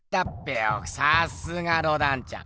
さすがロダンちゃん。